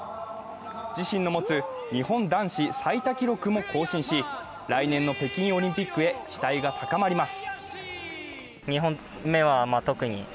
自身の持つ日本男子最多記録も更新し来年の北京オリンピックへ期待が高まります。